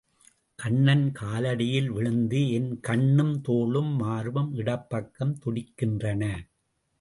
கண்ணன் காலடியில் விழுந்து என் கண்ணும் தோளும் மார்பும் இடப்பக்கம் துடிக்கின்றன.